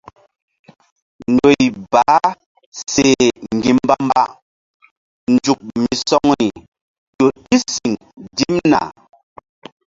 Ndoy baah seh ŋgi̧ mbambazuk misɔŋri ƴo ɗi siŋ dimna.